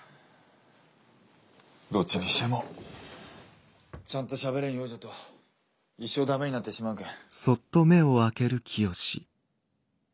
どっちにしてもちゃんとしゃべれんようじゃと一生駄目になってしまうけん。